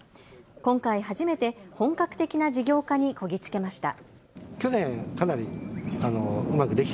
今回、初めて本格的な事業化にこぎ着けました。